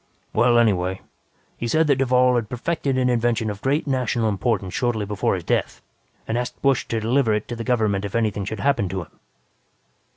"Well, anyway, he said that Duvall had perfected an invention of great national importance shortly before his death and asked Busch to deliver it to the government if anything should happen to him.